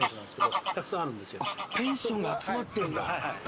ペンションが集まってんだ。